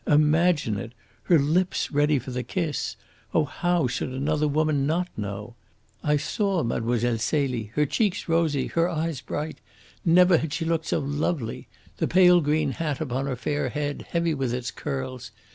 Imagine it! Her lips ready for the kiss! Oh, how should another woman not know? I saw Mlle. Celie, her cheeks rosy, her eyes bright. Never had she looked so lovely. The pale green hat upon her fair head heavy with its curls!